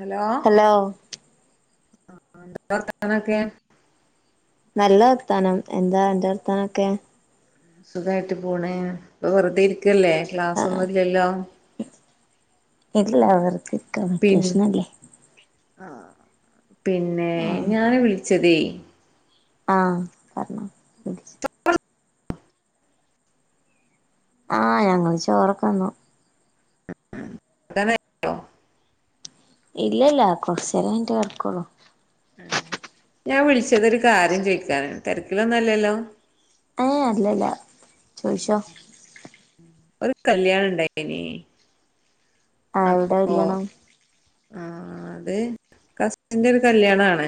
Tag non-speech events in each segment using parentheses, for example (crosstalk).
Hello ആഹ എന്താ വർത്താനൊക്കെ നല്ലർത്താനം എന്താ അന്റെ വർത്താനൊക്കെ സുഖായിട്ട് പോണെ പ്പ വെറുതെ ഇരിക്കല്ലേ ആ ക്ലാസ്സൊന്നുംല്ലല്ലോ ഇല്ല വെർതെര്ക്കാണ് പിൻ വെക്കേഷനല്ലേ ആഹ് പിന്നേ ആഹ് ഞാന് വിളിച്ചതേയ് ആഹ് പർഞ്ഞോ ആഹ് ഞങ്ങള് ചോറക്ക തിന്നു അനെോ (inaudible) ഇല്ലല്ല കൊറച്ചേര കഴിഞ്ഞിട്ട് കെട്ക്കൊള്ളൂ ഞാൻ വിളിച്ചതൊരു കാര്യം ചോയ്ക്കാനാ തെര്ക്കിലൊന്നല്ലല്ലോ ഏ യ് അല്ലല്ല ചോയ്ച്ചോ ഒരു കല്യാണണ്ടായ്നി ആഹ് എവടെ കല്യാണം ആഹ് അത് കസിന്റെരു കല്യാണാണ്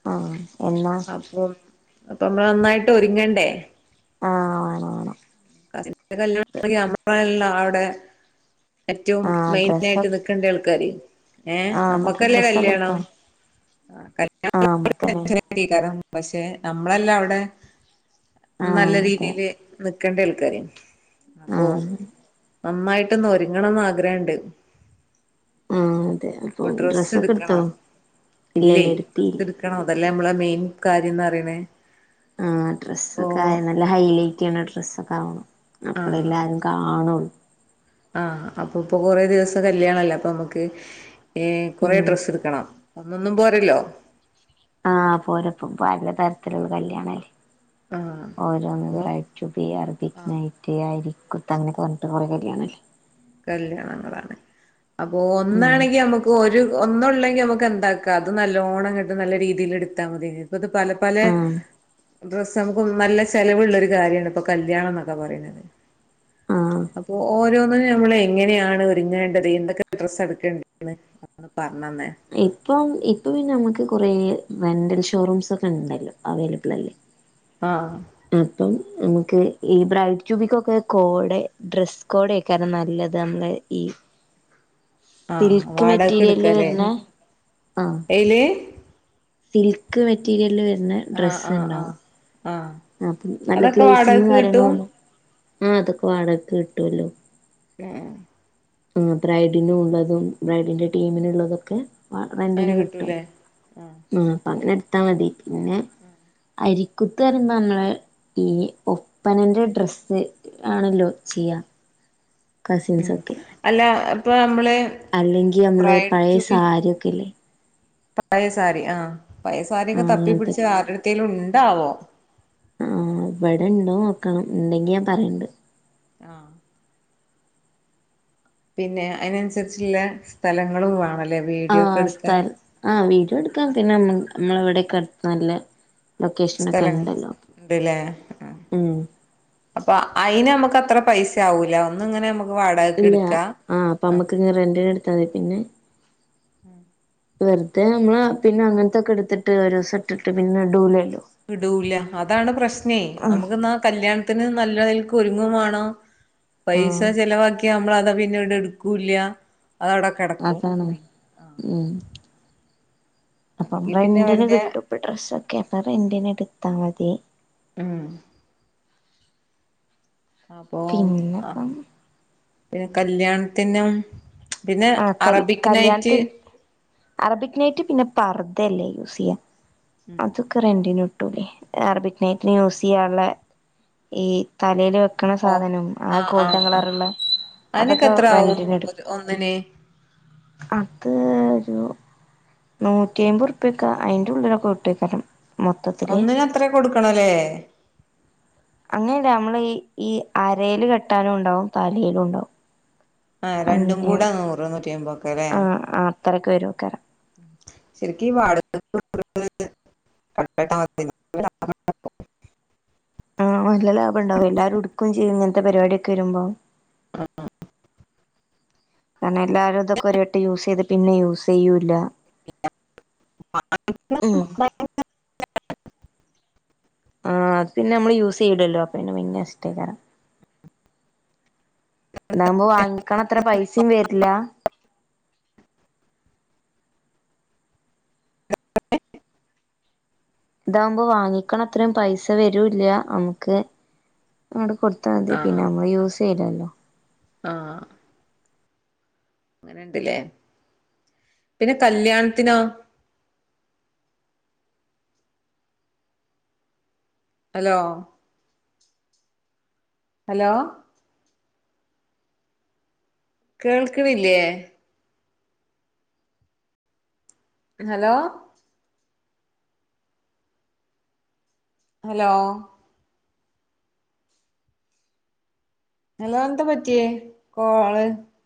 ആഹ് എന്നാ അപ്പൊ അപ്പമ്മളന്നായിട്ടൊരുങ്ങണ്ടേ ആഹ് വാണം വാണം അപ്പ അമ്മളല്ലേ അവടെ ഏറ്റവും ആഹ് ഡ്രസ്സൊ മെയിനായിട്ട് നിക്കേണ്ടെയാൾക്കാര് ഏഹ് ആഹ് എന്നിട്ട് നമ്മക്കല്ലേ ഡ്രസ്സൊക്കെ എടുത്തോ കല്യാണം ആഹ് നമ്മക്കന്നെ (unintelligible) ക്കാരം പക്ഷെ നമ്മളല്ല അവിടെ നല്ല ആഹ് അതെ രീതില് നിക്കണ്ടെയാൾക്കാര് അപ്പൊ ആഹ് നന്നായിട്ടൊന്നൊരുങ്ങണംന്നാഗ്രണ്ട് ആഹ് അതെ അപ്പൊ ഡ്രസ്സ് ഡ്രസ്സൊക്കെട്ത്തോ എടുക്കണം ഇല്ലല്ല എടുത്തി ക്കണം അതല്ലേമ്മളെ മെയിൻ കാര്യംന്നറിയ്ണേ ആ ഡ്രസ്സൊക്കായ നല്ല ഹൈലൈറ്റ്യ്യ്ണ ഡ്രസ്സൊക്കാവണം ആഹ് അപ്പഴെല്ലാവാരും കാണൊള്ളൂ ആഹ് അപ്പൊപ്പൊ കൊറേ ദിവസ്ത്തെ കല്യാണല്ലപ്പൊമ്മക്ക് ഏ കൊറേ ഉം ഡ്രസ്സ്ട്ക്കണം ഒന്നൊന്നും പോരല്ലോ ആഹ പോര പല തരത്തിലുള്ള കല്യാണല്ലേ ആഹ് അപ്പൊ ഓരോന്നപ്രായി ചുബി അർബിക് നൈറ്റ് യാരി അരിക്കുത്ത് അങ്ങനൊക്കെ വഞ്ഞിട്ട് കുറെേ കാര്യാണല്ലേ കല്യാണങ്ങളാണ് അപ്പൊ ഉം ഒന്നാണെങ്കിൽ നമുക്ക് ഇപ്പ ഒരു ഒന്നുള്ളെങ്കിൽ നമുക്ക് എന്താക്കാം അത് നല്ലോണ്ണം കിട്ട് നല്ല രീതിയിൽ എടുത്താൽ മതി ഇപ്പത് പലെ പലെ ആ ഡ്രസ്സ് നമ്മക്കും നല്ല ചെലവുള്ളൊരു കാര്യാണ് ഇപ്പൊ കല്യാണംന്നൊക്കെ പറയ്ണത് ആ അപ്പൊ ഓരോന്നിനും നമ്മൾ എങ്ങനെയാണ് ഒരുങ്ങേണ്ടത് എന്തൊക്കെ ഡ്രസ്സ് എടുക്കേണ്ടന്ന് ഒന്ന് പർഞ്ഞെന്നേ ഇപ്പം ഇപ്പ പിന്നെ നമ്മക്ക് കൊറെ റെന്റൽ ഷോറൂംസൊക്കെ ണ്ടല്ലോ അവൈലബിളല്ലേ ആഹ് അപ്പം നമുക്ക് ഈ ബ്രൈ ടു ബിക്കൊക്കെ കോടെ ഡ്രസ്സ് കോഡേക്കാരം നല്ലത് നമ്മളെ ഈ ആഹ് സിൽക്ക് വാടകക്ക് മെറ്റീരിയല് വെര്ണെ ആഹ് എയ്ല് സിൽക്ക് മെറ്റീരിയൽല് വെര്ണെ ആഹ് ആഹ് ആഹ് ആഹ് ആ അപ്പം നല്ല അതൊക്കെ വാടകക്ക് ഗ്ലേസിങ്ങും കിട്ടും കാര്യങ്ങളുള്ളെ ആ അതൊക്കെ വാടകക്ക് കിട്ടല്ലോ (unintelligible) ആ ബ്രൈഡിനുള്ളതും ബ്രൈഡിന്റെ ടീമിന്ള്ളതൊക്കെ ആ റെന്റിന് അങ്ങനെ കിട്ടും കിട്ടൂല്ലേ ആഹ് ആ അപ്പങ്ങനെട്ത്താ മതി പിന്നെ അരി കുത്ത് പറയുമ്പൊ നമ്മളെ ഈ ഒപ്പനെന്റെ ഡ്രെസ്സ് ആണല്ലോ ചെയ്യാ ഉം കസിൻസൊക്കെ അല്ല ഇപ്പോ നമ്മള് അല്ലെങ്കിൽ നമ്മള് ബ്രൈഡ് പഴേ സാരിയൊക്കെല്ലേ പഴേ സാരി ആ പഴേ ആ സാരിയൊക്കെ തപ്പിപ്പിടിച്ച് അങ്ങനത്തൊക്കെ ആരെട്ത്തേലും ണ്ടാവോ ആഹ് ഇവടെ ഇണ്ടോ നോക്കണം ണ്ടെങ്കി ഞാൻ പറയണ്ട് ആഹ് പിന്നെ അയ്നൻസരിച്ച്ല്ലെ സ്ഥലങ്ങളും വാണലെ ആഹ് സ്ഥൽ ആഹ് വീഡിയോ ട്ക്കാൻ പിന്നെ നമ്മ് നമ്മളെവടെക്കട്ത്ത് നല്ലെ ലൊക്കേഷനൊക്കെ സ്ഥലങ്ങൾ ണ്ടല്ലോ ഉണ്ടല്ലേ ആഹ് ഉം അപ്പൊ അയ്നമ്മക്കത്ര പൈസാവൂല ഒന്ന്ങ്ങനെ ഞമ്മക്ക് ഇല്ല വാടകക്ക്ട്ക്കാ ആഹ് അപ്പമ്മക്ക്ങ്‌ റെന്റ്ന് ട്ത്താ മതി പിന്നെ ഉം വെർതെ നമ്മള പിന്നെ അങ്ങൻത്തൊക്കെട്ത്ത്ട്ട് ഒരുസം ഇട്ടിട്ട് പിന്നെ ടൂലല്ലൊ ഇടൂല അതാണ് പ്രശ്നേ നമുക്ക് ന്നാ കല്യാണത്തിന് നല്ലൽക്ക് ഒരുങ്ങും വാണം പൈസ ആഹ് ചെലവാക്യാ നമ്മളതാ പിന്നെട് ഇട്ക്കൂല്ല അതവടെ അതാണ് ഉം അപ്പൊ അല്ലെങ്കി പിന്നെ റെന്റിന് വല്യ കിട്ടും ഇപ്പ ഡ്രസ്സൊക്കപ്പൊ റെന്റിന്ട്ത്താ മതി ഉം അപ്പം അ പിന്നെപ്പം പിന്നെ കല്യാണത്തിന്നും പിന്നെ ആഹ് കൽ അറബിക് നൈറ്റ് കല്യാണത്തിന് അറബിക് നൈറ്റ് പിന്നെ പർദയല്ലേ യൂസെയ്യ അത് ക്കെ റെന്റിന് കിട്ടൂലെ അർബിക് നൈറ്റ്ന് യൂസെയ്യാള്ളെ ഈ തലേല് വെ ക്ക്ണ ഓഹ് സാധനം ആ ആഹ് ആഹ് ഗോൾഡൻ ആഹ് കളറ്ള്ളെ അതിനൊക്കെ അതൊക്കെ എത്ര ആവും റെന്റിന്ട് ഒരു ഒന്നിന് അത് ഒരു നൂറ്റയ്മ്പുർപ്യെക്കെ അയ്ന്റുള്ളിലൊക്കെ കിട്ടേക്കാരം ഒന്നിന് അത്രേ കൊടുക്കണ ലേ അങ്ങനല്ല നമ്മള് ഈ ഈ അരേല് കെട്ടാനും ണ്ടാവും തലേലും ണ്ടാവും ആഹ് രണ്ടും കൂടെ നൂറ് നൂറ്റയ്മ്പോ ആഹ് ആഹ് അത്രക്കെ വരോക്കാരം ശരിക്ക് ഈ വാടക കൊട്ക്ക്ണത് വീട് കട്ടട്ടാ മതിയേനി ആഹ് നല്ല ലാഭം ഇണ്ടാവും എല്ലാരും ഇടുക്കും ചെയ്യും ഇങ്ങനത്തെ പരിപാടിയൊക്കെ വരുമ്പം ആഹ് കാരണം എല്ലാരും ഇതൊക്കെ ഒരു വട്ടം യൂസ് ചെയ്ത് പിന്നെ യൂസ് ചെയ്യൂല്ല (unintelligible) ഉം ആഹ് അത് പിന്നെ നമ്മള് യൂസ് ചെയ്യൂലല്ലോ? അപ്പ പിന്നെ നശ്ട്ടേക്കാരം ഇതാവുമ്പോ വാങ്ങിക്ക്ണത്ര പൈസിം വര്ല്ലാ ഇതാവുമ്പോ വാങ്ങിക്കണത്രയും പൈസ വരൂല്ല്യ അമ്മക്ക് അങ്ങട് കൊടു ത്താ മതി ആഹ് പിന്നെ നമ്മള് യൂസ് ചെയ്യൂലല്ലോ? ആഹ് അങ്ങനെണ്ട്ല്ലേ പിന്നെ കല്യാണത്തിനോ? ഹലോ ഹലോ കേൾക്കണില്ല്യ? ഹലോ ഹലോ ഹലോ എന്താ പറ്റിയേ കോള്?